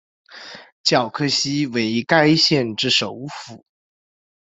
皎克西为该县之首府。